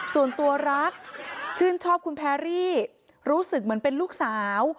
ส่วนตัวรักชื่นชอบคุณแพรรี่รู้สึกเหมือนเป็นลูกสาว